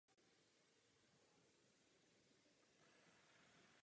Jsem přesvědčena, že je zapotřebí vysvětlit tuto záležitost evropským spotřebitelům.